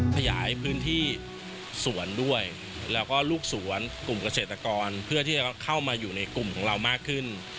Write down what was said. ขยายพื้นที่สวนด้วยแล้วก็ลูกสวนกลุ่มเกษตรกรเพื่อที่จะเข้ามาอยู่ในกลุ่มของเรามากขึ้น